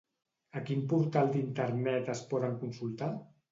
A quin portal d'internet es poden consultar?